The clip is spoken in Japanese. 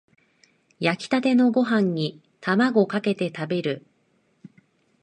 炊きたてのご飯にタマゴかけて食べる